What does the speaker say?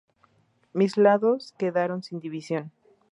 Mis lados quedaron sin división".